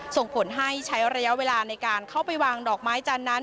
ส่งผลให้ใช้ระยะเวลาในการเข้าไปวางดอกไม้จันทร์นั้น